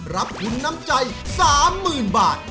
รับทุนน้ำใจ๓๐๐๐บาท